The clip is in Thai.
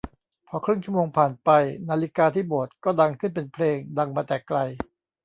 พอครึ่งชั่วโมงผ่านไปนาฬิกาที่โบสถ์ก็ดังขึ้นเป็นเพลงดังมาแต่ไกล